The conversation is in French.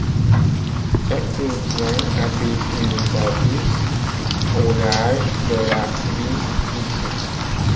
Cet oursin habite les abysses au large de l'Afrique du Sud.